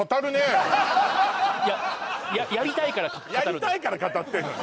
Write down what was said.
いややりたいから語ってんのね